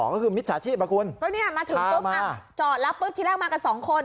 ก็คือมิจฉาชีพอ่ะคุณก็เนี่ยมาถึงปุ๊บอ่ะจอดแล้วปุ๊บที่แรกมากันสองคน